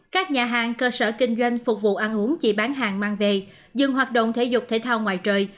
các nhà hàng cơ sở kinh doanh phục vụ ăn uống chỉ bán hàng mang về dừng hoạt động thể dục thể thao ngoài trời